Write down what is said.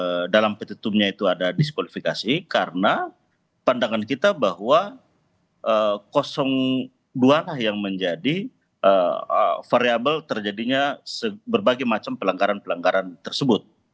karena dalam petitumnya itu ada diskualifikasi karena pandangan kita bahwa dua lah yang menjadi variable terjadinya berbagai macam pelanggaran pelanggaran tersebut